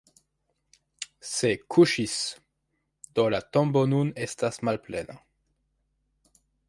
Se "kuŝis", do la tombo nun estas malplena.